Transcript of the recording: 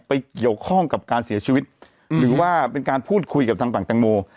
เกี่ยวข้องกับการเสียชีวิตหรือว่าเป็นการพูดคุยกับทางฝั่งแตงโม